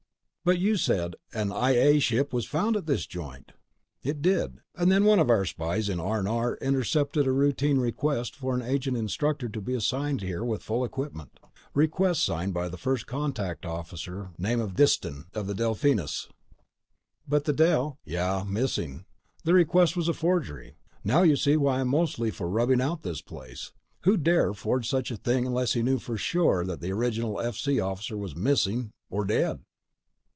"But you said an I A ship found this joint." "It did. And then one of our spies in R&R intercepted a routine request for an agent instructor to be assigned here with full equipment. Request signed by a First Contact officer name of Diston ... of the Delphinus!" "But the Del—" "Yeah. Missing. The request was a forgery. Now you see why I'm mostly for rubbing out this place. Who'd dare forge such a thing unless he knew for sure that the original FC officer was missing ... or dead?"